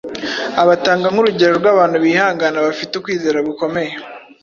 abatanga nk’urugero rw’abantu bihangana bafite ukwizera gukomeye